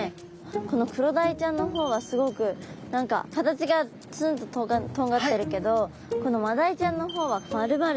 このクロダイちゃんの方はすごく何か形がつんととんがってるけどこのマダイちゃんの方はまるまるとしてる感じ。